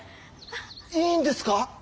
いいんですか？